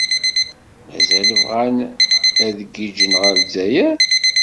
Mazal bɣan ad giǧǧen ɣer Lezzayer?